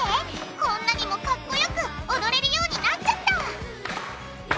こんなにもかっこよく踊れるようになっちゃった！